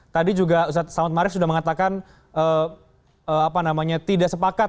tadi juga ustaz salamat ma'arif sudah mengatakan tidak sepakat